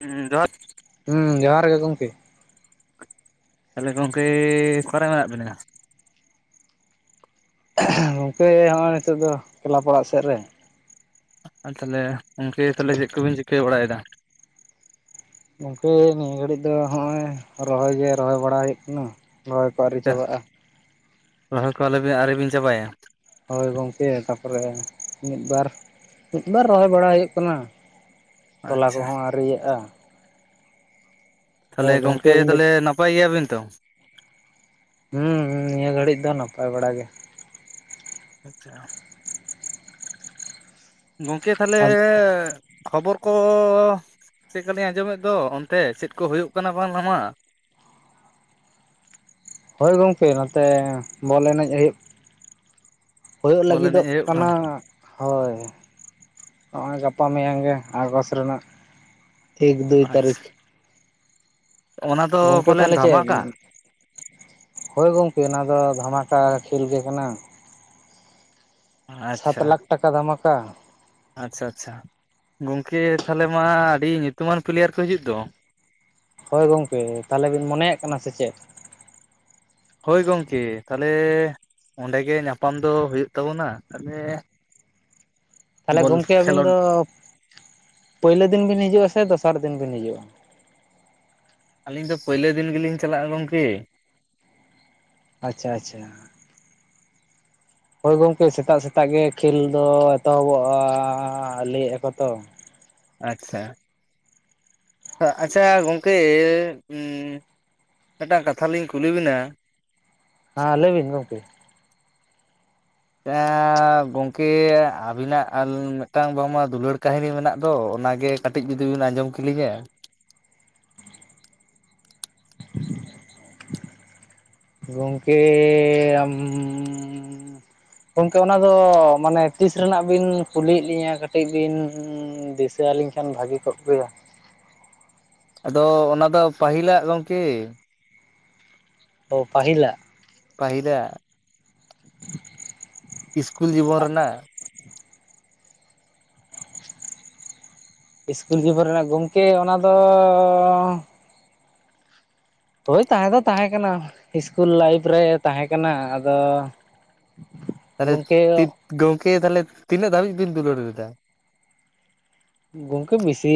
ᱦᱩᱸ ᱡᱚᱦᱟᱨ ᱦᱩᱸ ᱡᱚᱦᱟᱨ ᱜᱮ ᱜᱚᱢᱠᱮ [inaudible] ᱛᱟᱦᱞᱮ ᱜᱚᱝᱠᱮ ᱚᱠᱟ ᱨᱮ ᱢᱮᱱᱟᱜ ᱵᱤᱱᱟ? [unintelligible] ᱜᱚᱝᱠᱮ ᱦᱚᱜᱼᱚᱭ ᱱᱤᱛᱳᱜ ᱫᱚ ᱠᱮᱞᱟᱯ ᱚᱲᱟᱜ ᱥᱮᱫ ᱨᱮ ᱾ ᱟᱨ ᱛᱷᱟᱞᱮ ᱚᱝᱠᱮ ᱛᱟᱦᱞᱮ ᱪᱮᱜ ᱠᱚᱵᱤᱱ ᱪᱤᱠᱟᱹ ᱵᱟᱲᱟᱭ ᱫᱟ? ᱜᱚᱝᱠᱮ ᱱᱤᱭᱟᱹ ᱜᱷᱟᱹᱲᱤᱡ ᱫᱚ ᱦᱚᱜᱼᱚᱭ ᱨᱚᱦᱚᱭ ᱜᱮ ᱨᱚᱦᱚᱭ ᱵᱟᱲᱟ ᱦᱩᱭᱩᱜ ᱠᱟᱱᱟ᱾ ᱨᱚᱦᱚᱭ ᱠᱚ ᱟᱹᱣᱨᱤ ᱪᱟᱵᱟᱜᱼᱟ᱾ ᱨᱚᱦᱚᱭ ᱠᱚ ᱟᱞᱚᱵᱤᱱ ᱟᱹᱣᱨᱤ ᱵᱤᱱ ᱪᱟᱵᱟᱭᱟ? ᱦᱳᱭ ᱜᱚᱝᱠᱮ ᱛᱟᱯᱚᱨᱮ ᱢᱤᱫ ᱵᱟᱨ ᱢᱤᱫ ᱵᱟᱨ ᱨᱚᱦᱚᱭ ᱵᱟᱲᱟ ᱦᱩᱭᱩᱜ ᱠᱟᱱᱟ᱾ ᱛᱚᱞᱟ ᱟᱪᱪᱷᱟ ᱠᱚᱦᱚᱸ ᱟᱹᱣᱨᱤ ᱤᱭᱟᱜᱼᱟ᱾ ᱛᱷᱟᱞᱮ ᱜᱚᱢᱠᱮ ᱜᱚᱝᱠᱮ ᱟᱹᱵᱤᱱ ᱫᱚ ᱛᱟᱞᱮ ᱱᱟᱯᱟᱭ ᱜᱮᱭᱟ ᱵᱤᱱ ᱛᱚ? ᱦᱩᱸ ᱱᱤᱭᱟᱹ ᱜᱷᱟᱹᱲᱤᱡ ᱫᱚ ᱱᱟᱯᱟᱭ ᱵᱟᱲᱟ ᱜᱮ᱾ ᱟᱪᱪᱷᱟ, ᱜᱚᱝᱠᱮ ᱛᱷᱟᱞᱮ ᱠᱷᱚᱵᱚᱨ ᱠᱚ ᱪᱮᱜᱠᱟ ᱞᱤᱧ ᱟᱸᱡᱚᱢᱮᱜ ᱫᱚ ᱚᱱᱛᱮ ᱪᱮᱫ ᱠᱚ ᱦᱩᱭᱩᱜ ᱠᱟᱱᱟ ᱵᱟᱝᱢᱟ ᱾ ᱦᱳᱭ ᱜᱚᱢᱠᱮ ᱱᱚᱛᱮ ᱵᱚᱞ ᱮᱱᱮᱡ ᱦᱩᱭᱩᱜ᱾ ᱦᱳᱭᱳᱜ ᱵᱚᱞ ᱮᱱᱮᱡ ᱞᱟᱹᱜᱤᱫᱚᱜ ᱦᱩᱭᱩᱜ ᱠᱟᱱᱟ ᱾ ᱦᱳᱭ [inaudible] ᱱᱚᱜᱼᱚᱭ ᱜᱟᱯᱟ ᱢᱤᱭᱟᱝ ᱜᱮ ᱟᱨ ᱵᱟᱥ ᱨᱮᱱᱟᱜ ᱾ ᱮᱠ ᱫᱩᱭ ᱟᱪᱪᱷᱟ ᱛᱟᱨᱤᱠ᱾ ᱚᱱᱟ ᱫᱚ ᱜᱚᱝᱠᱮ ᱯᱟᱞᱮᱱ ᱛᱟᱞᱦᱮ ᱪᱮᱜ ᱫᱷᱟᱢᱟᱠᱟ [inaudible] ᱦᱳᱭ ᱜᱚᱝᱠᱮ ᱚᱱᱟ ᱫᱚ ᱫᱷᱟᱢᱟᱠᱟ ᱠᱷᱮᱞ ᱜᱮ ᱠᱟᱱᱟ᱾ ᱥᱟᱛ ᱟᱪᱪᱷᱟ ᱞᱟᱠᱷ ᱴᱟᱠᱟ ᱫᱷᱟᱢᱟᱠᱟ᱾ ᱟᱪᱪᱷᱟ ᱟᱪᱪᱷᱟ ᱜᱚᱝᱠᱮ ᱛᱟᱦᱞᱮ ᱢᱟ ᱟᱹᱰᱤ ᱧᱩᱛᱩᱢᱟᱱ ᱯᱞᱤᱭᱟᱨ ᱠᱚ ᱦᱤᱡᱩᱜ ᱫᱚ ᱾ ᱦᱳᱭ ᱜᱚᱝᱠᱮ ᱛᱟᱞᱦᱮ ᱵᱤᱱ ᱢᱚᱱᱮᱭᱟᱜ ᱠᱟᱱᱟ ᱥᱮ ᱪᱮᱫ ᱾ ᱦᱳᱭ ᱜᱚᱝᱠᱮ ᱛᱟᱞᱦᱮ ᱚᱸᱰᱮ ᱜᱮ ᱧᱟᱯᱟᱢ ᱫᱚ ᱦᱩᱭᱩᱜ ᱛᱟᱵᱚᱱᱟ ᱛᱟᱞᱮ ᱛᱟᱞᱦᱮ ᱜᱚᱝᱠᱮ ᱟᱹᱵᱤᱱ ᱠᱷᱮᱞᱳᱰ ᱫᱚ ᱯᱟᱹᱭᱞᱳ ᱫᱤᱱ ᱵᱤᱱ ᱦᱤᱡᱩᱜ-ᱟ ᱥᱮ ᱫᱚᱥᱟᱨ ᱫᱤᱱ ᱵᱤᱱ ᱦᱤᱡᱩᱜ-ᱟ ᱾ ᱟᱹᱞᱤᱧ ᱫᱚ ᱯᱟᱹᱭᱞᱟᱹ ᱫᱤᱱ ᱜᱮᱞᱤᱧ ᱪᱟᱞᱟᱜ-ᱟ ᱜᱚᱝᱠᱮ ᱾ ᱟᱪᱪᱷᱟ ᱟᱪᱪᱷᱟ ᱾ ᱦᱳᱭ ᱜᱚᱢᱠᱮ ᱥᱮᱛᱟᱜ ᱥᱮᱛᱟᱜ ᱜᱮ ᱠᱷᱮᱞ ᱫᱚ ᱮᱛᱚᱦᱚᱵᱚᱜ ᱟᱻ ᱞᱟᱹᱭᱮᱜ ᱟᱠᱚ ᱛᱚ ᱾ ᱟᱪᱪᱷᱟ ᱟᱪᱪᱷᱟ ᱜᱚᱝᱠᱮ [inaudible] ᱢᱤᱫᱴᱟᱝ ᱠᱟᱛᱷᱟ ᱞᱤᱧ ᱠᱩᱞᱤ ᱵᱮᱱᱟ ᱦᱟᱸ ᱞᱟᱹᱭ ᱵᱤᱱ ᱜᱚᱝᱠᱮ? [inaudible] ᱜᱚᱝᱠᱮ ᱟᱹᱵᱤᱱᱟᱜ ᱢᱤᱫᱴᱟᱝ ᱵᱟᱝᱢᱟ ᱫᱩᱞᱟᱹᱲ ᱠᱟᱹᱦᱱᱤ ᱢᱮᱱᱟᱜ ᱫᱚ ᱚᱱᱟᱜᱮ ᱾ ᱠᱟᱹᱴᱤᱡ ᱡᱩᱫᱤ ᱵᱤᱱ ᱟᱸᱡᱚᱢ ᱠᱮᱞᱤᱧᱟ ᱾ [inaudible] ᱜᱚᱝᱠᱮ ᱟᱢ ᱜᱚᱝᱠᱮ ᱚᱱᱟ ᱫᱚ ᱢᱟᱱᱮ ᱛᱤᱥ ᱨᱮᱱᱟᱜ ᱵᱤᱱ ᱠᱩᱞᱤᱭᱮᱜ ᱞᱤᱧᱟᱹ ᱠᱟᱹᱴᱤᱡ ᱵᱤᱱ ᱫᱤᱥᱟᱹ ᱟᱹᱞᱤᱧ ᱠᱷᱟᱱ ᱵᱷᱟᱹᱜᱤ ᱠᱚᱜ ᱜᱮᱭᱟ ᱾ ᱟᱫᱚ ᱚᱱᱟ ᱫᱚ ᱯᱟᱹᱦᱤᱞᱟᱜ ᱜᱚᱝᱠᱮ ᱾ ᱚ ᱯᱟᱹᱦᱤᱞᱟᱜ ᱾ ᱯᱟᱦᱤᱞᱟᱜ ᱾ ᱤᱥᱠᱩᱞ ᱡᱤᱵᱚᱱ ᱨᱮᱱᱟᱜ ᱾ ᱤᱥᱠᱩᱞ ᱡᱤᱵᱚᱱ ᱨᱮᱱᱟᱜ ᱜᱚᱝᱠᱮ ᱚᱱᱟ ᱫᱚᱻ ᱦᱳᱭ ᱛᱟᱦᱮᱸ ᱫᱚ ᱛᱟᱦᱮᱸ ᱠᱟᱱᱟ ᱤᱥᱠᱩᱞ ᱞᱟᱭᱤᱯᱷ ᱨᱮ ᱛᱟᱦᱮᱸ ᱠᱟᱱᱟ ᱟᱫᱚ ᱾ ᱛᱟᱦᱚᱞᱮ ᱤᱧ ᱜᱚᱝᱠᱮ ᱛᱟᱦᱚᱞᱮ ᱛᱤᱱᱟᱹᱜ ᱫᱷᱟᱹᱵᱤᱡ ᱵᱤᱱ ᱫᱩᱞᱟᱹᱲ ᱞᱮᱫᱟ? ᱜᱚᱝᱠᱮ ᱵᱮᱥᱤ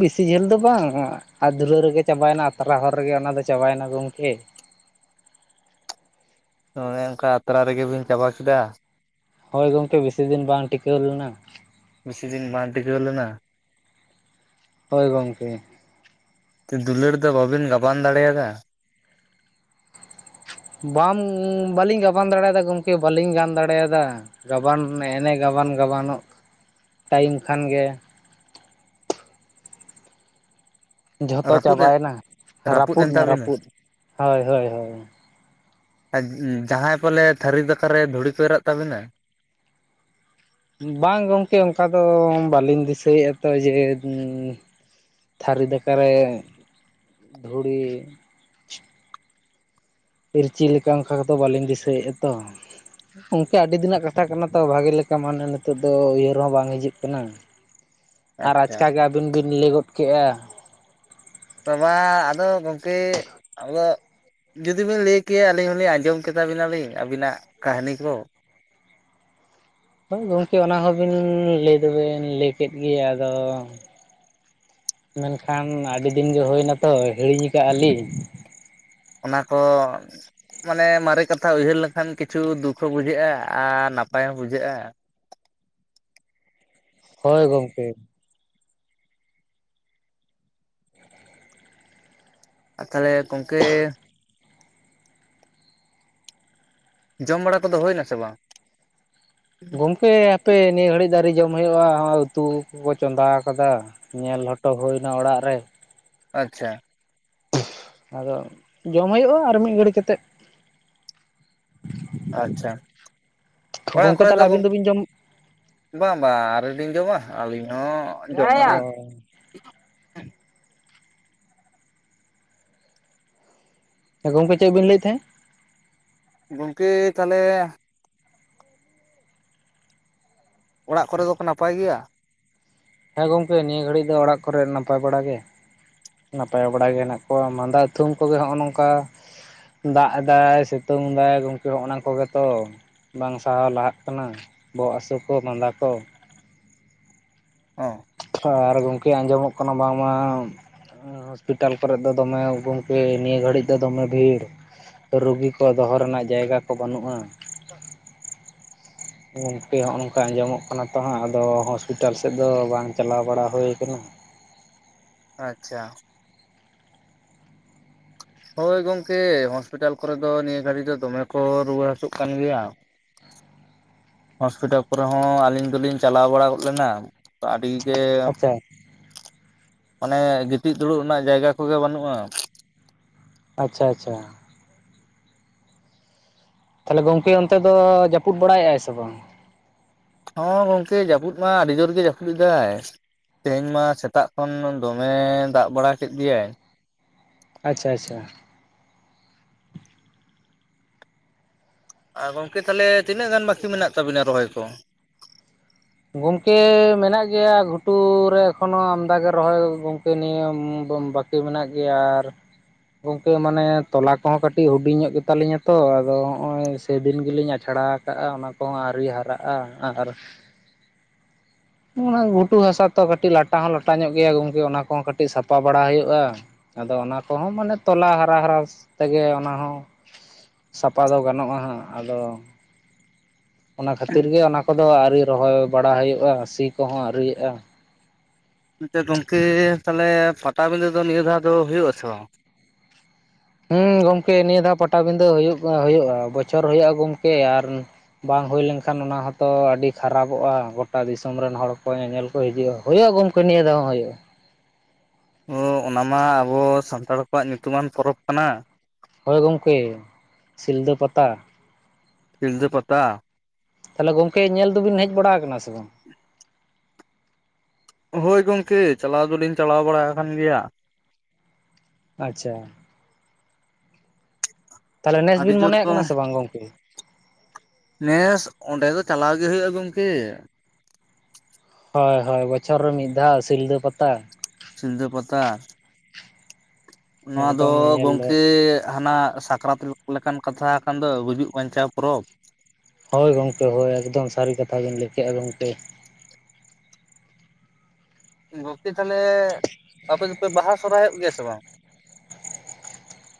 ᱵᱮᱥᱤ ᱡᱷᱟᱹᱞ ᱫᱚ ᱵᱟᱝ ᱟᱫᱷᱩᱨᱟᱹ ᱨᱮᱜᱮ ᱪᱟᱵᱟᱭᱮᱱᱟ ᱟᱛᱨᱟ ᱦᱚᱨ ᱨᱮᱜᱮ ᱚᱱᱟ ᱫᱚ ᱪᱟᱵᱟᱭᱮᱱᱟ ᱜᱚᱢᱠᱮ ᱾ ᱚᱱᱮ ᱚᱱᱠᱟ ᱟᱛᱨᱟ ᱨᱮᱜᱮ ᱵᱤᱱ ᱪᱟᱵᱟ ᱠᱮᱫᱟ ᱾ ᱦᱳᱭ ᱜᱚᱢᱠᱮ ᱵᱮᱥᱤ ᱫᱤᱱ ᱵᱟᱝ ᱴᱤᱠᱟᱹᱣ ᱞᱮᱱᱟ ᱾ ᱵᱮᱥᱤ ᱫᱤᱱ ᱵᱟᱝ ᱴᱤᱠᱟᱹᱣ ᱞᱮᱱᱟ? ᱦᱳᱭ ᱜᱚᱝᱠᱮ ᱾ ᱫᱩᱞᱟᱹᱲ ᱫᱚ ᱵᱟᱵᱤᱱ ᱜᱟᱵᱟᱱ ᱫᱟᱲᱮᱭᱟᱫᱟ? ᱵᱟᱢ ᱵᱟᱹᱞᱤᱧ ᱜᱟᱵᱟᱱ ᱫᱟᱲᱮᱭᱟᱫᱟ ᱜᱚᱢᱠᱮ ᱵᱟᱞᱤᱧ ᱜᱟᱱ ᱫᱟᱲᱮᱭᱟᱫᱟ ᱾ ᱜᱟᱵᱟᱱ ᱮᱱᱮ ᱜᱟᱵᱟᱱ ᱜᱟᱵᱟᱱᱚᱜ ᱴᱟᱭᱤᱢ ᱠᱷᱟᱱ ᱜᱮ ᱡᱷᱚᱛᱚ ᱨᱟᱹᱯᱩᱫ ᱮ ᱪᱟᱵᱟᱭᱮᱱᱟ ᱨᱟᱹᱯᱩᱫ ᱮᱱ ᱮᱱᱟ ᱛᱟᱵᱤᱱᱟ ᱨᱟᱹᱯᱩᱫ, ᱦᱳᱭ ᱦᱳᱭ ᱦᱳᱭ ᱾ ᱟᱨ ᱡᱟᱦᱟᱸᱭ ᱯᱟᱞᱮ ᱛᱷᱟᱹᱨᱤ ᱫᱟᱠᱟ ᱨᱮ ᱫᱷᱩᱲᱤ ᱠᱚ ᱮᱨᱟᱜ ᱛᱟᱵᱤᱱᱟ? ᱵᱟᱝ ᱜᱚᱢᱠᱮ ᱚᱱᱠᱟ ᱫᱚ ᱵᱟᱹᱞᱤᱧ ᱫᱤᱥᱟᱹᱭᱮᱫ-ᱟ ᱛᱚ ᱡᱮ ᱛᱷᱟᱹᱨᱤ ᱫᱟᱠᱟ ᱨᱮ ᱫᱷᱩᱲᱤ ᱤᱨᱪᱤᱞ ᱞᱮᱠᱟ ᱚᱱᱠᱟ ᱠᱚᱫᱚ ᱵᱟᱹᱞᱤᱧ ᱫᱤᱥᱟᱹᱭᱮᱫ-ᱟ ᱛᱚ ᱾ ᱚᱱᱠᱟ ᱟᱹᱰᱤ ᱫᱤᱱᱟᱜ ᱠᱟᱛᱷᱟ ᱠᱟᱱᱟ ᱛᱚ ᱵᱷᱟᱜᱤ ᱞᱮᱠᱟ ᱢᱟᱱᱮ ᱱᱤᱛᱚᱜ ᱫᱚ ᱩᱭᱦᱟᱹᱨ ᱦᱚᱸ ᱵᱟᱝ ᱦᱤᱡᱩᱜ ᱠᱟᱱᱟ ᱾ ᱟᱨ ᱟᱪᱪᱷᱟ ᱟᱪᱠᱟ ᱜᱮ ᱟᱹᱵᱤᱱ ᱵᱤᱱ ᱞᱟᱹᱭ ᱜᱚᱫ ᱠᱮᱜ-ᱟ ᱾ ᱢᱟ ᱟᱫᱚ ᱜᱚᱢᱠᱮ ᱟᱫᱚ ᱡᱩᱫᱤᱵᱤᱱ ᱞᱟᱹᱭ ᱠᱮᱭᱟ ᱟᱹᱞᱤᱧ ᱦᱚᱞᱤᱧ ᱟᱸᱡᱚᱢ ᱠᱮᱛᱟ ᱵᱤᱱᱟᱞᱤᱧ ᱟᱹᱵᱤᱱᱟᱜ ᱠᱟᱹᱦᱱᱤ ᱠᱚ ᱾ ᱦᱳᱭ ᱜᱚᱢᱠᱮ ᱚᱱᱟ ᱦᱚᱸᱵᱤᱱ ᱞᱟᱹᱭ ᱫᱚᱵᱤᱱ ᱞᱟᱹᱭ ᱠᱮᱫ ᱜᱮᱭᱟ ᱟᱫᱚ ᱢᱮᱱᱠᱷᱟᱱ ᱟᱹᱰᱤ ᱫᱤᱱ ᱜᱮ ᱦᱩᱭᱮᱱᱟᱛᱚ ᱦᱤᱲᱤᱧ ᱟᱠᱟᱜ-ᱟ ᱞᱤᱧ ᱾ ᱚᱱᱟ ᱠᱚ ᱢᱟᱱᱮ ᱢᱟᱨᱮ ᱠᱟᱛᱷᱟ ᱩᱭᱦᱟᱹᱨ ᱞᱮᱠᱷᱟᱱ ᱠᱤᱪᱷᱩ ᱫᱩᱠ ᱦᱚᱸ ᱵᱩᱡᱷᱟᱹᱜ-ᱟ ᱟᱨ ᱱᱟᱯᱟᱭ ᱦᱚᱸ ᱵᱩᱡᱷᱟᱹᱜ-ᱟ ᱾ ᱦᱳᱭ ᱜᱚᱢᱠᱮ ᱾ ᱟᱨ ᱛᱟᱦᱚᱞᱮ ᱜᱚᱢᱠᱮ ᱡᱚᱢ ᱵᱟᱲᱟ ᱠᱚᱫᱚ ᱦᱩᱭ ᱱᱟᱥᱮ ᱵᱟᱝ? ᱜᱚᱝᱠᱮ ᱦᱟᱯᱮ ᱱᱤᱭᱟᱹ ᱜᱷᱟᱹᱲᱤᱡ ᱫᱚ ᱟᱣᱨᱤ ᱡᱚᱢ ᱦᱩᱭᱩᱜ-ᱟ ᱱᱚᱜ-ᱚᱭ ᱩᱛᱩ ᱠᱚᱠᱚ ᱪᱚᱸᱫᱟ ᱟᱠᱟᱫᱟ ᱾ ᱧᱮᱞ ᱦᱚᱴᱚ ᱦᱩᱭᱱᱟ ᱚᱲᱟᱜ ᱨᱮ ᱾ ᱟᱪᱪᱷᱟ ᱾ ᱟᱫᱚ ᱡᱚᱢ ᱦᱩᱭᱩᱜᱼᱟ ᱟᱨ ᱢᱤᱫ ᱜᱷᱟᱹᱲᱤ ᱠᱟᱛᱮᱫ ᱾ ᱟᱪᱪᱷᱟ ᱚᱲᱟᱜ ᱜᱚᱝᱠᱮ ᱠᱚᱨᱮ ᱫᱚ ᱛᱟᱦᱚᱞᱮ ᱟᱵᱤᱱ ᱜᱚᱝ ᱫᱚᱵᱤᱱ ᱡᱚᱢ ᱵᱟᱝ ᱵᱟᱝ ᱟᱣᱨᱤ ᱞᱤᱧ ᱡᱚᱢᱟ, ᱟᱹᱞᱤᱧ ᱦᱚᱸ ᱾ ᱚ ᱾ ᱦᱮᱸ ᱜᱚᱢᱠ ᱪᱮᱫ ᱵᱤᱱ ᱞᱟᱹᱭᱮᱫ ᱛᱟᱦᱮᱸᱫ? ᱜᱚᱝᱠᱮ ᱛᱟᱦᱚᱞᱮ ᱚᱲᱟᱜ ᱠᱚᱨᱮ ᱫᱚᱠᱚ ᱱᱟᱯᱟᱭ ᱜᱮᱭᱟ? ᱦᱮᱸ ᱜᱚᱝᱠᱮ ᱱᱤᱭᱟᱹ ᱜᱷᱟᱹᱲᱤᱡ ᱫᱚ ᱚᱲᱟᱜ ᱠᱚᱨᱮ ᱱᱟᱯᱟᱭ ᱵᱟᱲᱟ ᱜᱮ ᱾ ᱱᱟᱯᱟᱭ ᱵᱟᱲᱟ ᱜᱮ ᱦᱮᱱᱟᱜ ᱠᱚᱣᱟ ᱢᱟᱸᱫᱟ ᱛᱷᱩᱢ ᱠᱚᱜᱮ ᱦᱚᱜᱼᱚ ᱱᱚᱝᱠᱟ ᱫᱟᱜ ᱮᱫᱟᱭ, ᱥᱤᱛᱩᱝ ᱫᱟᱭ ᱜᱚᱝᱠᱮ ᱦᱚᱜᱼ ᱱᱟ ᱠᱚᱜᱮ ᱛᱚ ᱾ ᱵᱟᱝ ᱥᱟᱦᱟᱣ ᱞᱟᱦᱟᱜ ᱠᱟᱱᱟ ᱵᱚᱦᱚᱜ ᱦᱟᱹᱥᱳ ᱠᱚ, ᱢᱟᱸᱫᱟ ᱠᱚ ᱾ ᱚ ᱾ ᱟᱨ ᱜᱚᱝᱠᱮ ᱟᱸᱡᱚᱢᱚᱜ ᱠᱟᱱᱟ ᱵᱟᱝᱢᱟ ᱦᱚᱥᱯᱤᱴᱟᱞ ᱠᱚᱨᱮ ᱫᱚ ᱫᱚᱢᱮ ᱜᱚᱢᱠᱮ ᱱᱤᱭᱟᱹ ᱜᱷᱟᱹᱲᱤᱡ ᱫᱚ ᱫᱚᱢᱮ ᱵᱷᱤᱲ ᱾ ᱨᱩᱜᱤ ᱠᱚ ᱫᱚᱦᱚ ᱨᱮᱱᱟᱜ ᱡᱟᱭᱜᱟ ᱠᱚ ᱵᱟᱹᱱᱩᱜᱼᱟ ᱾ ᱜᱚᱝᱠᱮ ᱦᱚᱸᱜᱼᱚ ᱱᱚᱝᱠᱟ ᱟᱸᱡᱚᱢᱚᱜ ᱠᱟᱱᱟ ᱛᱚ ᱦᱟᱸᱜ, ᱟᱫᱚ ᱦᱚᱥᱯᱤᱴᱟᱞ ᱥᱮᱫ ᱫᱚ ᱵᱟᱝ ᱪᱟᱞᱟᱣ ᱵᱟᱲᱟ ᱦᱩᱭᱩ ᱠᱟᱱᱟ ᱾ ᱟᱪᱪᱷᱟ ᱾ ᱦᱳᱭ ᱜᱚᱝᱠᱮ ᱦᱚᱥᱯᱤᱴᱟᱞ ᱠᱚᱨᱮ ᱫᱚ ᱱᱤᱭᱟᱹ ᱜᱷᱟᱹᱲᱤ ᱫᱚ ᱫᱚᱢᱮ ᱠᱚ ᱨᱩᱣᱟᱹ ᱦᱟᱹᱥᱩᱜ ᱠᱟᱱ ᱜᱮᱭᱟ ᱾ ᱦᱚᱥᱯᱤᱴᱟᱞ ᱠᱚᱨᱮ ᱦᱚᱸ ᱟᱹᱞᱤᱧ ᱫᱚᱞᱤᱧ ᱪᱟᱞᱟᱣ ᱵᱟᱲᱟ ᱜᱚᱫ ᱞᱮᱱᱟ ᱾ ᱛᱚ ᱟᱹᱰᱤ ᱜᱮ [inaudible] ᱟᱪᱪᱷᱟ ᱚᱱᱮ ᱜᱤᱛᱤᱡ ᱫᱩᱲᱩᱵ ᱨᱮᱱᱟᱜ ᱡᱟᱭᱜᱟ ᱠᱚᱜᱮ ᱵᱟᱹᱱᱩᱜ-ᱟ ᱾ ᱟᱪᱪᱷᱟ ᱟᱪᱪᱷᱟ ᱾ ᱛᱟᱦᱞᱮ ᱜᱚᱝᱠᱮ ᱚᱱᱛᱮ ᱫᱚ ᱡᱟᱹᱯᱩᱫ ᱵᱟᱲᱟᱭᱮᱫᱟᱭ ᱥᱮ ᱵᱟᱝ? ᱦᱚᱸ ᱜᱚᱝᱠᱮ ᱡᱟᱹᱯᱩᱫ ᱢᱟ ᱟᱹᱰᱤ ᱡᱳᱨ ᱜᱮ ᱡᱟᱹᱯᱩᱫ ᱮᱫᱟᱭ ᱾ ᱛᱮᱦᱮᱧ ᱢᱟ ᱥᱮᱛᱟᱜ ᱠᱷᱚᱱ ᱫᱚᱢᱮ ᱫᱟᱜ ᱵᱟᱲᱟ ᱠᱮᱫ ᱜᱮᱭᱟᱭ ᱾ ᱟᱪᱪᱷᱟ ᱟᱪᱪᱷᱟ ᱾ ᱟᱨ ᱜᱚᱝᱠᱮ ᱛᱟᱦᱚᱞᱮ ᱛᱤᱱᱟᱹᱜ ᱜᱟᱱ ᱵᱟᱠᱤ ᱢᱮᱱᱟᱜ ᱛᱟᱵᱤᱱᱟ ᱨᱚᱦᱚᱭ ᱠᱚ? ᱜᱚᱢᱠᱮ ᱢᱮᱱᱟᱜ ᱜᱮᱭᱟ ᱜᱷᱩᱴᱩᱨᱞ ᱨᱮ ᱮᱠᱷᱚᱱᱳ ᱟᱢᱫᱟ ᱜᱮ ᱨᱚᱦᱚᱭ ᱜᱚᱢᱠᱮ ᱱᱤᱭᱟᱹ ᱵᱟ ᱠᱤ ᱢᱮᱱᱟᱜ ᱜᱮᱭᱟ ᱟᱨ ᱜᱚᱝᱠᱮ ᱢᱟᱱᱮ ᱛᱚᱞᱟ ᱠᱚᱦᱚᱸ ᱠᱟᱹᱴᱤᱡ ᱦᱩᱰᱤᱧ ᱧᱚᱜ ᱜᱮ ᱛᱟᱞᱤᱧᱟ ᱛᱚ ᱟᱫᱚ ᱦᱚᱸᱜ-ᱚᱭ ᱥᱮᱫᱤᱱ ᱜᱮᱞᱤᱧ ᱟᱪᱷᱟᱲᱟ ᱠᱟᱜ-ᱟ ᱚᱱᱟ ᱠᱚᱦᱚᱸ ᱟᱹᱣᱨᱤ ᱦᱟᱨᱟᱜ-ᱟ ᱟᱨ ᱚᱱᱟ ᱜᱷᱩᱴᱩ ᱦᱟᱥᱟ ᱛᱚ ᱠᱟᱹᱴᱤᱡ ᱞᱟᱴᱟ ᱦᱚᱸ ᱞᱚᱴᱟ ᱧᱚᱜ ᱜᱮᱭᱟ ᱜᱚᱝᱠᱮ ᱚᱱᱟ ᱠᱚᱦᱚᱸ ᱠᱟᱹᱴᱤᱡ ᱥᱟᱯᱷᱟ ᱵᱟᱲᱟ ᱦᱩᱭᱩᱜ-ᱟ ᱾ ᱟᱫᱚ ᱚᱱᱟ ᱠᱚᱦᱚᱸ ᱢᱟᱱᱮ ᱛᱚᱞᱟ ᱦᱟᱨᱟ ᱦᱟᱨᱟ ᱛᱮᱜᱮ ᱚᱱᱟ ᱦᱚᱸ ᱥᱟᱯᱟ ᱫᱚ ᱜᱟᱱᱚᱜ-ᱟ ᱦᱟᱸᱜ ᱾ ᱟᱫᱚ ᱚᱱᱟ ᱠᱷᱟᱹᱛᱤᱨ ᱜᱮ ᱚᱱᱟ ᱠᱚᱫᱚ ᱟᱹᱣᱨᱤ ᱨᱚᱦᱚᱭ ᱵᱟᱲᱟ ᱦᱩᱭᱩᱜ-ᱟ ᱥᱤ ᱠᱚᱦᱚᱸ ᱟᱹᱨᱤᱭᱟᱜ-ᱟ ᱾ ᱮᱱᱛᱮ ᱜᱚᱝᱠᱮ ᱛᱟᱦᱞᱮ ᱯᱟᱴᱟᱵᱤᱫᱟᱹ ᱫᱚ ᱱᱤᱭᱟᱹ ᱫᱷᱟᱣ ᱫᱚ ᱦᱩᱭᱩᱜ ᱟᱥᱮ ᱵᱟᱝ? ᱦᱩᱸ ᱜᱚᱢᱠᱮ ᱱᱤᱭᱟᱹ ᱫᱷᱟᱣ ᱯᱟᱴᱟᱵᱤᱫᱟᱹ ᱦᱩᱭᱩᱜ ᱦᱩᱭᱩᱜ-ᱟ ᱵᱚᱪᱷᱚᱨ ᱦᱩᱭᱩᱜ-ᱟ ᱜᱚᱢᱠᱮ ᱟᱨ ᱵᱟᱝ ᱦᱩᱭ ᱞᱮᱱᱠᱷᱟᱱ ᱚᱱᱟ ᱦᱚᱸᱛᱚ ᱟᱹᱰᱤ ᱠᱷᱟᱨᱟᱯᱚᱜ-ᱟ ᱜᱚᱴᱟ ᱫᱤᱥᱚᱢ ᱨᱮᱱ ᱦᱚᱲ ᱠᱚ ᱧᱮᱧᱮᱞ ᱠᱚ ᱦᱤᱡᱩᱜ-ᱟ, ᱦᱩᱭᱩᱜ-ᱟ ᱜᱚᱢᱠᱮ ᱱᱤᱭᱟᱹ ᱫᱷᱟᱣ ᱦᱚᱸ ᱦᱩᱭᱩᱜ-ᱟ ᱾ ᱚ ᱚᱱᱟᱢᱟ ᱟᱵᱚ ᱥᱟᱱᱛᱟᱲ ᱠᱚᱣᱟᱜ ᱧᱩᱛᱩᱢᱟᱱ ᱯᱚᱨᱚᱵᱽ ᱠᱟᱱᱟ ᱾ ᱦᱚᱳᱭ ᱜᱚᱢᱠᱮ [inaudible] ᱥᱤᱞᱫᱟᱹ ᱯᱟᱛᱟ ᱥᱤᱞᱫᱟᱹ ᱯᱟᱛᱟ ᱾ ᱛᱟᱦᱚᱞᱮ ᱜᱚᱝᱠᱮ ᱧᱮᱞ ᱫᱚᱵᱤᱱ ᱦᱮᱡ ᱵᱟᱲᱟ ᱟᱠᱟᱱᱟ ᱥᱮ ᱵᱟᱝ? ᱦᱳᱭ ᱜᱚᱝᱠᱮ ᱪᱟᱞᱟᱣ ᱫᱚᱞᱤᱧ ᱪᱟᱞᱟᱣ ᱵᱟᱲᱟ ᱟᱠᱟᱱ ᱜᱮᱭᱟ ᱾ ᱟᱪᱪᱷᱟ ᱾ ᱛᱟᱦᱚᱞᱮ ᱱᱮᱥ ᱟᱹᱰᱤ ᱵᱤᱱ ᱡᱳᱨ ᱢᱚᱱᱮᱭᱟᱜ ᱠᱚ ᱠᱟᱱᱟ [inaudible] ᱥᱮ ᱵᱟᱝ ᱜᱚᱝᱠᱮ? ᱱᱮᱥ ᱚᱸᱰᱮ ᱫᱚ ᱪᱟᱞᱟᱣ ᱜᱮ ᱦᱩᱭᱩᱜ-ᱟ ᱜᱚᱝᱠᱮ᱾ ᱦᱚᱭ ᱦᱚᱭ ᱵᱚᱪᱷᱚᱨ ᱨᱮ ᱢᱤᱫ ᱫᱷᱟᱣ ᱥᱤᱞᱫᱟᱹ ᱯᱟᱛᱟ᱾ ᱥᱤᱞᱫᱟᱹ ᱯᱟᱛᱟ᱾ ᱱᱚᱣᱟ ᱫᱚᱻ ᱮᱠᱫᱚᱢ ᱧᱮᱧᱮᱞ ᱫᱚ ᱜᱚᱝᱠᱮ ᱦᱟᱱᱟ ᱥᱟᱠ ᱨᱟᱛ ᱞᱮᱠᱟᱱ ᱠᱟᱛᱷᱟ ᱟᱠᱟᱱ ᱫᱚ ᱜᱩᱡᱩᱜ ᱵᱟᱧᱪᱟᱣ ᱯᱚᱨᱚᱵᱽ᱾ ᱦᱳᱭ ᱜᱚᱝᱠᱮ ᱦᱳᱭ ᱮᱠᱫᱚᱢ ᱥᱟᱹᱨᱤ ᱠᱟᱛᱷᱟ ᱵᱤᱱ ᱞᱟᱹᱭ ᱠᱮᱫ-ᱟ ᱜᱚᱝᱠᱮ᱾ ᱜᱚᱝᱠᱮ ᱛᱟᱞᱦᱮ ᱟᱯᱮ ᱫᱚ ᱯᱮ ᱵᱟᱦᱟ ᱥᱚᱨᱦᱟᱭᱚᱜ ᱜᱮᱭᱟ ᱥᱮ ᱵᱟᱝ?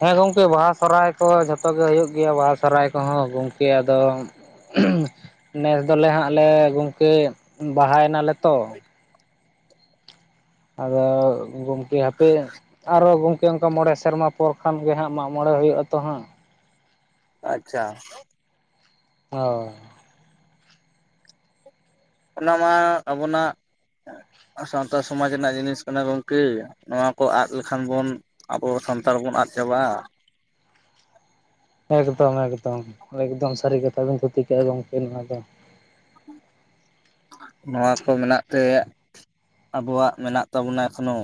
ᱦᱮᱸ ᱜᱚᱝᱠᱮ ᱵᱟᱦᱟ ᱥᱚᱨᱦᱟᱭ ᱠᱚ ᱡᱷᱚᱛᱚ ᱜᱮ ᱦᱩᱭᱩᱜ ᱜᱮᱭᱟ ᱵᱟᱦᱟ ᱥᱚᱨᱦᱟᱭ ᱠᱚ ᱦᱚᱸ ᱜᱚᱝᱠᱮ ᱟᱫᱚ [inaudible] ᱱᱮᱥ ᱫᱚ ᱞᱮ ᱦᱟᱸᱜ ᱞᱮ ᱜᱚᱝᱠᱮ ᱵᱟᱦᱟᱭ ᱮᱱᱟ ᱞᱮ ᱛᱚ᱾ ᱟᱫᱚ ᱜᱚᱢᱠᱮ ᱦᱟᱯᱮ ᱟᱨᱚ ᱜᱚᱝ ᱠᱮ ᱚᱱᱠᱟ ᱢᱚᱸᱬᱮ ᱥᱮᱨᱢᱟ ᱯᱚᱨ ᱠᱷᱟᱱ ᱜᱮ ᱦᱟᱸᱜ ᱢᱟᱸᱜ ᱢᱚᱸᱬᱮ ᱦᱩᱭᱩᱜ-ᱟ ᱛᱚ ᱦᱟᱸᱜ᱾ ᱟᱪᱪᱷᱟ ᱾ ᱦᱚᱸ ᱾ ᱚᱱᱟ ᱢᱟ ᱟᱵᱚᱱᱟᱜ ᱥᱟᱶᱛᱟ ᱥᱚᱢᱟᱡᱽ ᱨᱮᱱᱟᱜ ᱡᱤᱱᱤᱥ ᱠᱟᱱᱟ ᱜᱚᱝᱠᱮ ᱱᱚᱣᱟ ᱠᱚ ᱟᱫ ᱞᱮᱠᱷᱟᱱ ᱵᱚᱱ ᱟᱵᱚ ᱥᱟᱱᱛᱟᱲ ᱵᱚᱱ ᱟᱸᱫ ᱪᱟᱵᱟᱜ-ᱟ᱾ ᱮᱠᱫᱚᱢ ᱮᱠᱫᱚᱢ ᱮᱠᱫᱚᱢ ᱥᱟᱹᱨᱤ ᱠᱟᱛᱷᱟ ᱵᱮᱱ ᱠᱷᱩᱛᱤ ᱠᱟᱜ-ᱟ ᱜᱚᱝᱠᱮ ᱱᱚᱣᱟ ᱫᱚ᱾ ᱱᱚᱣᱟ ᱠᱚ ᱢᱮᱱᱟᱜ ᱛᱮ ᱟᱵᱚᱣᱟᱜ ᱢᱮᱱᱟᱜ ᱛᱟᱵᱚᱱᱟ ᱮᱠᱷᱚᱱᱳ᱾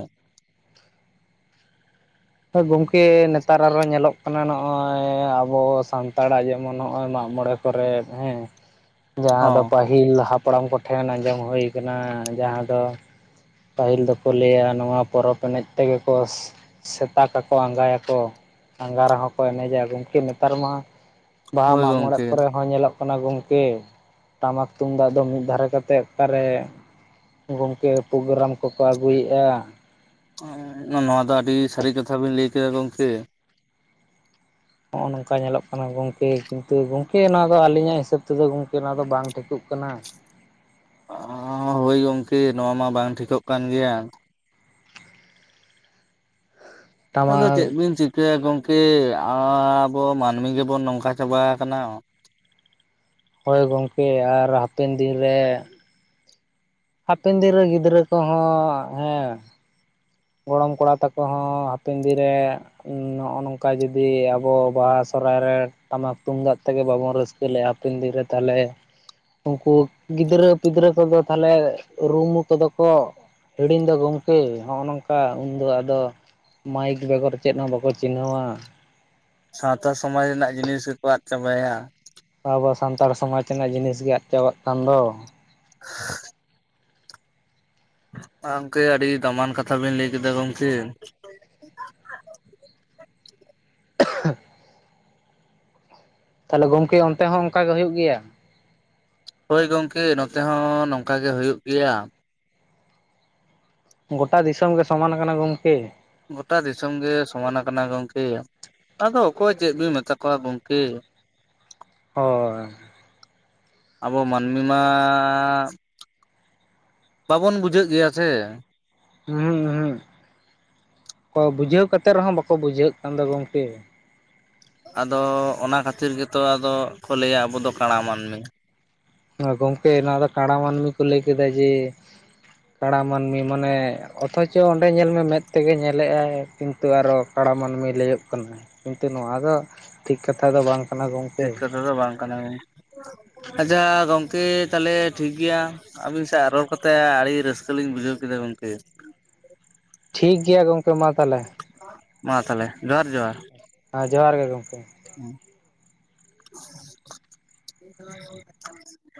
ᱜᱚᱝᱠᱮ ᱱᱮᱛᱟᱨ ᱟᱨᱚ ᱧᱮᱞᱚᱸᱜ ᱠᱟᱱᱟ ᱱᱚᱜ-ᱚᱭ ᱟᱵᱚ ᱥᱟᱱᱛᱟᱲᱟᱜ ᱡᱮᱢᱚᱱ ᱦᱚᱜ-ᱚᱭ ᱢᱟᱸᱜᱢᱚᱬᱮ ᱠᱚᱨᱮᱜ ᱦᱮᱸ ᱡᱟᱦᱟᱸ ᱫᱚ ᱦᱚᱸ ᱯᱟᱹᱦᱤᱞ ᱦᱟᱯᱲᱟᱢ ᱠᱚᱴᱷᱮᱱ ᱟᱸᱡᱚᱢ ᱦᱳᱭ ᱠᱟᱱᱟ ᱡᱟᱦᱟᱸ ᱫᱚ ᱯᱟᱹᱦᱤᱞ ᱫᱚ ᱠᱚ ᱞᱟᱹᱭᱟ ᱱᱚᱣᱟ ᱯᱚᱨᱚᱵᱽ ᱮᱱᱮᱡ ᱛᱮᱜᱮ ᱠᱚ ᱥᱮᱛᱟ ᱠᱟᱠᱚ ᱟᱸᱜᱟᱭᱟ ᱠᱚ ᱟᱸᱜᱟ ᱨᱮ ᱦᱚᱸ ᱠᱚ ᱮᱱᱮᱡᱟ ᱜᱚᱝᱠᱮ ᱱᱮᱛᱟᱨ ᱢᱟ ᱵᱟᱦᱟ ᱦᱳᱭ ᱢᱟᱸᱜ-ᱢᱚᱸᱬᱮᱜ ᱜᱚᱝᱠᱮ ᱠᱚ ᱨᱮ ᱦᱚᱸ ᱧᱮᱞᱚᱜ ᱠᱟᱱᱟ ᱜᱚᱝᱠᱮ ᱴᱟᱢᱟᱠ ᱛᱩᱱᱫᱟᱜ ᱫᱚ ᱢᱤᱫ ᱫᱷᱟᱨᱮ ᱠᱟᱛᱮᱜ ᱚᱠᱟ ᱨᱮ ᱜᱚᱝᱠᱮ ᱯᱳᱜᱨᱟᱢ ᱠᱚ ᱠᱚ ᱟᱹᱜᱩᱭᱮᱜ-ᱟ᱾ ᱚᱸ ᱱᱚᱣᱟ ᱫᱚ ᱟᱹᱰᱤ ᱥᱟᱹᱨᱤ ᱠᱟᱛᱷᱟ ᱵᱤᱱ ᱞᱟᱹᱭ ᱠᱮᱫᱟ ᱜᱚᱝᱠᱮ᱾ ᱦᱚᱜ-ᱚ ᱱᱚᱝᱠᱟ ᱧᱮᱞᱚᱜ ᱠᱟᱱᱟ ᱜᱚᱝᱠᱮ ᱠᱤᱱᱛᱩ ᱜᱚᱝᱠᱮ ᱱᱚᱣᱟ ᱫᱚ ᱟᱹᱞᱤᱧᱟᱜ ᱦᱤᱥᱟᱹᱵ ᱛᱮ ᱫᱚ ᱜᱚᱝᱠᱮ ᱱᱚᱣᱟ ᱫᱚ ᱵᱟᱝ ᱴᱷᱤᱠᱚᱸᱜ ᱠᱟᱱᱟ᱾ ᱦᱳᱭ ᱜᱚᱝᱠᱮ ᱱᱚᱣᱟ ᱢᱟ ᱵᱟᱝ ᱴᱷᱤᱠᱚᱸᱜ ᱠᱟᱱ ᱜᱮᱭᱟ᱾ ᱟᱫᱚ ᱪᱮᱜ ᱴᱟᱢᱟᱠ ᱵᱤᱱ ᱪᱤᱠᱟᱹᱭᱟ ᱜᱚᱝᱠᱮ ᱟᱻᱵᱚ ᱢᱟᱹᱱᱢᱤ ᱜᱮᱵᱚᱱ ᱱᱚᱝᱠᱟ ᱪᱟᱵᱟ ᱟᱠᱟᱱᱟ᱾ ᱦᱳᱭ ᱜᱚᱝᱠᱮ ᱟᱨ ᱦᱟᱯᱮᱱ ᱫᱤᱱ ᱨᱮ ᱦᱟᱯᱮᱱ ᱫᱤᱱ ᱨᱮ ᱜᱤᱫᱽᱨᱟᱹ ᱠᱚᱦᱚᱸ ᱦᱮᱸ ᱜᱚᱲᱚᱢ ᱠᱚᱲᱟ ᱛᱟᱠᱚ ᱦᱚᱸ ᱦᱟᱯᱮᱱ ᱫᱤᱱ ᱨᱮ ᱱᱚᱜ-ᱚ ᱱᱚᱝᱠᱟ ᱡᱩᱫᱤ ᱟᱵᱚ ᱵᱟᱦᱟ ᱥᱚᱨᱦᱟᱭ ᱨᱮ ᱴᱟᱢᱟᱠ-ᱛᱩᱱᱫᱟᱜ ᱛᱮ ᱜᱮ ᱵᱟᱵᱚᱱ ᱨᱟᱹᱥᱠᱟᱹ ᱞᱮᱜ-ᱟ ᱦᱟᱯᱮᱱ ᱫᱤᱱ ᱨᱮ ᱛᱟᱞᱮ ᱩᱝᱠᱩ ᱜᱤᱫᱽᱨᱟᱹ ᱯᱤᱫᱽᱨᱟᱹ ᱠᱚ ᱫᱚ ᱛᱟᱦᱞᱮ ᱨᱩᱢ ᱚᱠᱛᱚ ᱫᱚ ᱠᱚ ᱦᱤᱲᱤᱧ ᱫᱚ ᱜᱚᱝᱠᱮ, ᱦᱚᱜ-ᱚ ᱱᱚᱝ ᱠᱟ ᱩᱱ ᱫᱚ ᱟᱫᱚ ᱢᱟᱭᱤᱠ ᱵᱮᱜᱚᱨ ᱪᱮᱫ ᱦᱚᱸ ᱵᱟᱠᱚ ᱪᱤᱱᱦᱟᱹᱣᱟ᱾ ᱥᱟᱶᱛᱟ ᱥᱚᱢᱟᱡᱽ ᱨᱮᱱᱟᱜ ᱡᱤᱱᱤᱥ ᱜᱮ ᱠᱚ ᱟᱸᱫ ᱪᱟᱵᱟᱭᱟ᱾ ᱟᱵᱚᱣᱟ ᱥᱟᱱᱛᱟᱲ ᱥᱚᱢᱟᱡᱽ ᱨᱮᱱᱟᱜ ᱡᱤᱱᱤᱥ ᱜᱮ ᱟᱸᱫ ᱪᱟᱵᱟᱜ ᱠᱟᱱ ᱫᱚ᱾ [unintelligible] ᱟᱸ ᱜᱚᱝᱠᱮ ᱟᱹᱰᱤ ᱫᱟᱢᱟᱱ ᱠᱟᱛᱷᱟ ᱵᱤᱱ ᱞᱟᱹᱭ ᱠᱮᱫᱟ ᱜᱚᱝᱠᱮ᱾ [unintelligible] ᱛᱟᱞᱦᱮ ᱜᱚᱢᱠᱮ ᱚᱱᱛᱮ ᱦᱚᱸ ᱚᱱᱠᱟ ᱜᱮ ᱦᱩᱭᱩᱜ ᱜᱮᱭᱟ᱾ ᱦᱳᱭ ᱜᱚᱝᱠᱮ ᱱᱚᱛᱮ ᱦᱚᱸ ᱱᱚᱝᱠᱟ ᱜᱮ ᱦᱩᱭᱩᱜ ᱜᱮᱭᱟ᱾ ᱜᱚᱴᱟ ᱫᱤᱥᱚᱢ ᱜᱮ ᱥᱚᱢᱟᱱ ᱟᱠᱟᱱᱟ ᱜᱚᱝᱠᱮ᱾ ᱜᱚᱴᱟ ᱫᱤᱥᱚᱢ ᱜᱮ ᱥᱚᱢᱟ ᱱᱟᱠᱟᱱᱟ ᱜᱚᱝᱠᱮ ᱟᱫᱚ ᱚᱠᱚᱭ ᱪᱮᱫ ᱵᱤᱱ ᱢᱮᱛᱟ ᱠᱚᱣᱟ ᱜᱚᱝᱠᱮ᱾ ᱦᱚᱭ ᱟᱵᱚ ᱢᱟᱹᱱᱢᱤ ᱢᱟᱻ ᱵᱟᱵᱚᱱ ᱵᱩᱡᱷᱟᱹᱜ ᱜᱮᱭᱟ ᱥᱮ᱾ ᱦᱩ ᱦᱩ ᱚᱸ ᱵᱩᱡᱷᱟᱹᱣ ᱠᱟᱛᱮ ᱨᱮᱦᱚᱸ ᱵᱟᱠᱚ ᱵᱩᱡᱷᱟᱹᱜ ᱠᱟᱱ ᱫᱚ ᱜᱚᱝᱠᱮ᱾ ᱟᱫᱚ ᱚᱱᱟ ᱠᱷᱟᱹᱛᱤᱨ ᱜᱮᱛᱚ ᱟᱫᱚ ᱠᱚ ᱞᱟᱹᱭᱟ ᱟᱵᱚ ᱫᱚ ᱠᱟᱲᱟ ᱢᱟᱹᱱᱢᱤ᱾ ᱜᱚᱝᱠᱮ ᱱᱚᱣᱟ ᱫᱚ ᱠᱟᱲᱟ ᱢᱟᱹᱱᱢᱤ ᱠᱚ ᱞᱟᱹᱭ ᱠᱮᱫᱟ ᱡᱮ᱾ ᱠᱟᱲᱟ ᱢᱟᱹᱱᱢᱤ ᱢᱟᱱᱮ ᱚᱛᱷᱚᱪᱚ ᱚᱸᱰᱮ ᱧᱮᱞᱢᱮ ᱢᱮᱫ ᱛᱮᱜᱮ ᱧᱮᱞᱮᱭᱟᱭ᱾ ᱠᱤᱱᱛᱩ ᱟᱨᱚ ᱠᱟᱲᱟ ᱢᱟᱹᱱᱢᱤ ᱞᱟᱹᱭᱟᱹᱜ ᱠᱟᱱᱟ ᱠᱤᱱᱛᱩ ᱱᱚᱣᱟ ᱫᱚ ᱴᱷᱤᱠ ᱠᱟᱛᱷᱟ ᱫᱚ ᱵᱟᱝ᱾ ᱠᱟᱱᱟ ᱴᱷᱤᱠ ᱜᱚᱢᱠᱮ ᱠᱟᱛᱷᱟ ᱫᱚ ᱵᱟᱝ ᱠᱟᱱᱟ ᱟᱪᱪᱷᱟ ᱜᱚᱝᱠᱮ ᱛᱟᱦᱚᱞᱮ ᱴᱷᱤᱠ ᱜᱮᱭᱟ᱾ ᱟᱹᱵᱤᱱ ᱥᱟ ᱨᱚᱲ ᱠᱟᱛᱮ ᱟᱹᱰᱤ ᱨᱟᱹᱥᱠᱟᱹ ᱞᱤᱧ ᱵᱩᱡᱷᱟᱹᱣ ᱠᱮᱫᱟ ᱜᱚᱝᱠᱮ᱾ ᱴᱷᱤᱠ ᱜᱮᱭᱟ ᱜᱚᱝᱠᱮ ᱢᱟ ᱛᱟᱦᱚᱞᱮ᱾ ᱢᱟ ᱛᱟᱦᱚᱞᱮ ᱡᱚᱦᱟᱨ ᱡᱚᱦᱟᱨ᱾ ᱦᱮᱸ ᱡᱚᱦᱟᱨ ᱜᱮ ᱜᱚᱝᱠᱮ᱾ [inaudible]